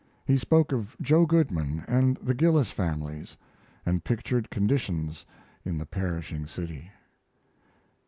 He spoke of Joe Goodman and the Gillis families, and pictured conditions in the perishing city.